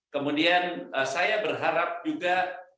kemudian saya berharap juga